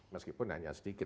meskipun hanya sedikit